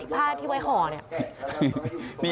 ผ้าที่ไว้ห่อเนี่ย